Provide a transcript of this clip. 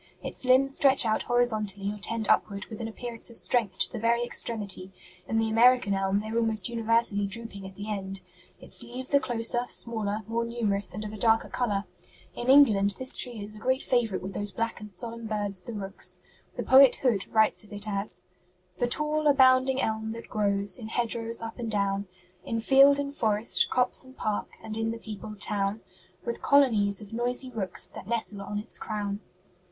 Its limbs stretch out horizontally or tend upward with an appearance of strength to the very extremity; in the American elm they are almost universally drooping at the end. Its leaves are closer, smaller, more numerous and of a darker color. In England this tree is a great favorite with those black and solemn birds the rooks. The poet Hood writes of it as "'The tall, abounding elm that grows In hedgerows up and down, In field and forest, copse and park, And in the peopled town, With colonies of noisy rooks That nestle on its crown.'